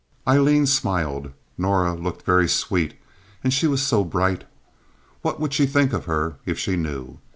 Aileen smiled. Norah looked very sweet. And she was so bright. What would she think of her if she knew?